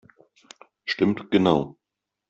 Stimmt genau!